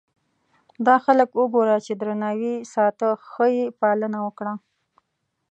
دا خلک وګوره په درناوي یې ساته ښه یې پالنه وکړه.